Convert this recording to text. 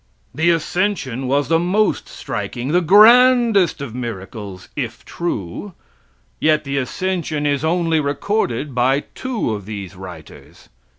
The ascension was the most striking, the grandest of the miracles, if true, yet the ascension is only recorded by two of these writers.